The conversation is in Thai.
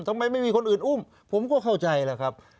ทำไมไม่มีคนอื่นอุ้มผมก็เข้าใจล่ะครับ